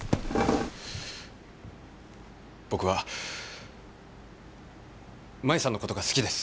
僕は舞さんのことが好きです。